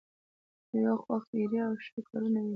له یوې خوا خیریه او ښه کارونه وینو.